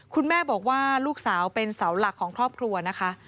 คุณแม่บอกว่าลูกสาวเป็นเสาหลักของครอบครัวนะคะ